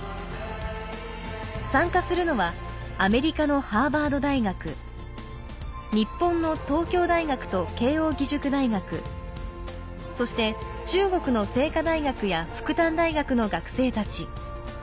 参加するのはアメリカのハーバード大学日本の東京大学と慶應義塾大学そして中国の清華大学や復旦大学の学生たち。